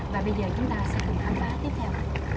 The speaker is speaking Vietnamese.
và bây giờ chúng ta sẽ cùng tham gia tiếp theo